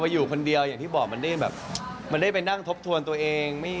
พอโบนอยู่คนเดียวอย่างที่บอกมันได้นั่งทบทวลตัวเอง